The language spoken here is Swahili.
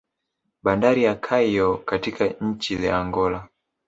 Bandari ya Caio katika nchi ya Angola